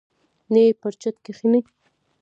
نه یې پر چت کښیني.